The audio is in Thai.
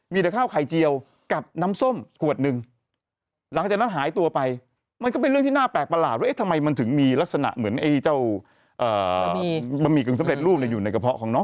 มีแต่ข้าวไข่เจียวกับน้ำส้มขวดหนึ่ง